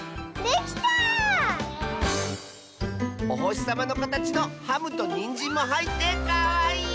おほしさまのかたちのハムとにんじんもはいってかわいい！